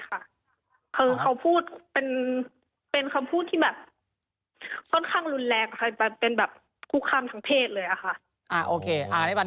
คือเขาพูดเป็นคำพูดที่แบบค่อนข้างรุนแรงเป็นแบบคุกข้ามทางเพศเลยอะค่ะ